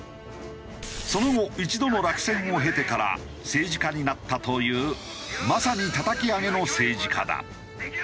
その後１度の落選を経てから政治家になったというまさにたたき上げの政治家だ。